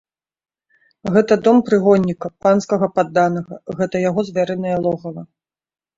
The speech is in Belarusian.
Гэта дом прыгонніка, панскага падданага, гэта яго звярынае логава.